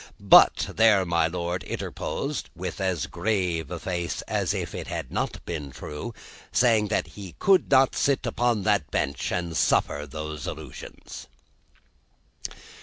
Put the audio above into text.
But, there my Lord interposed (with as grave a face as if it had not been true), saying that he could not sit upon that Bench and suffer those allusions.